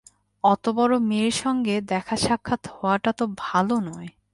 অতবড়ো মেয়ের সঙ্গে দেখাসাক্ষাৎ হওয়াটা তো ভালো নয়।